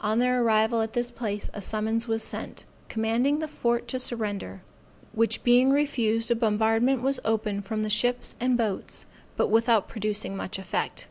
On their arrival at this place, a summons was sent, commanding the fort to surrender, which being refused, a bombardment was opened from the ships and boats, but without producing much effect.